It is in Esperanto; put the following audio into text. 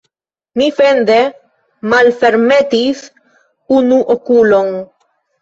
Mi fende malfermetis unu okulon.